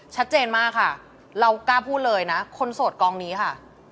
ชัดเจนมากค่ะเรากล้าพูดเลยนะคนโสดกองนี้ค่ะ